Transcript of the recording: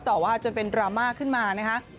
ต่อว่าจนเป็นดราม่าขึ้นมานะคะ